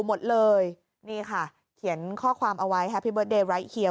หมดเลยนี่ค่ะเขียนข้อความเอาไว้แฮปพี่เบิร์เดย์ไร้เฮีย